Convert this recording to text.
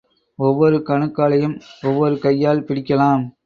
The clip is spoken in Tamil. ஒவ்வொரு கணுக்காலையும் ஒவ்வொரு கையால் பிடிக்கலாம்.